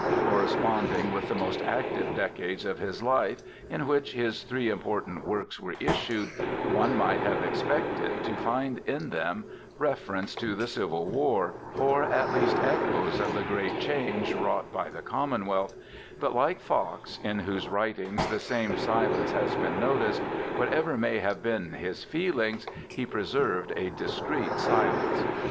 Corresponding with the most active decades of his life, in which his three important works were issued, one might have expected to find in them reference to the Civil War, or, at least, echoes of the great change wrought by the SIR THOMAS BROWNE 255 Commonwealth, but, like Fox, in whose writings the same silence has been noticed, whatever may have been his feelings, he preserved a discreet silence.